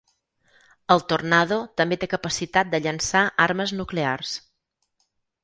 El Tornado també té capacitat de llançar armes nuclears.